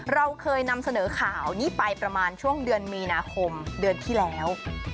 เราเคยนำเสนอข่าวนี้ไปประมาณช่วงเดือนมีนาคมเดือนที่แล้ว